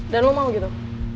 dan lo mau gitu